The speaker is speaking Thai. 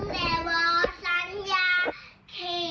ลืมแล้วว่าสัญญา